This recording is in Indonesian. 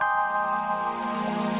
kasih dan banyak crate